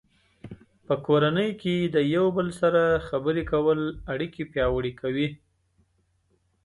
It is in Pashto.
په کورنۍ کې د یو بل سره خبرې کول اړیکې پیاوړې کوي.